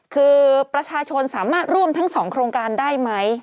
คือประชาชนสามารถร่วมทั้ง๒โครงการได้ไหม